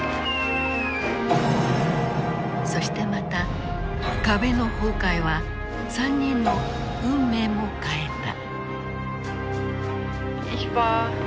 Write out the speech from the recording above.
そしてまた壁の崩壊は３人の運命も変えた。